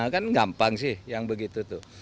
kan gampang sih yang begitu tuh